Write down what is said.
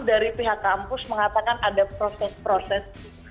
dari pihak kampus mengatakan ada proses proses